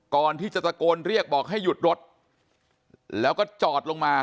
ก่อนที่จะตะโกนเรียกบอกให้หยุดรถแล้วก็จอดลงมา